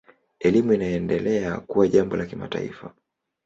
Elimu inaendelea kuwa jambo la kimataifa.